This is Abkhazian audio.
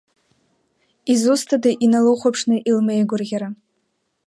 Дызусҭада иналыхәаԥшны илмеигәырӷьара!